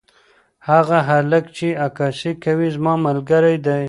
هغه هلک چې عکاسي کوي زما ملګری دی.